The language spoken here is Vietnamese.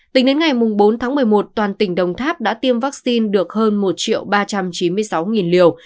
tính đến ngày bốn tháng một mươi một toàn tỉnh đồng tháp đã tiêm vaccine được hơn một ba trăm chín mươi sáu liều